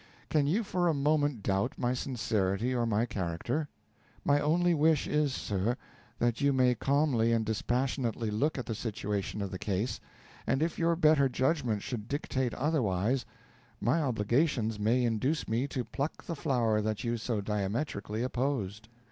Can you for a moment doubt my sincerity or my character? My only wish is, sir, that you may calmly and dispassionately look at the situation of the case, and if your better judgment should dictate otherwise, my obligations may induce me to pluck the flower that you so diametrically opposed.